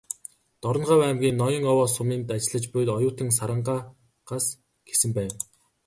"Дорноговь аймгийн Ноён-Овоо суманд ажиллаж буй оюутан Сарангаа"с гэсэн байв.